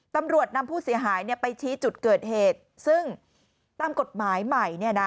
ตำรวจนำผู้เสียหายไปชี้จุดเกิดเหตุซึ่งตามกฎหมายใหม่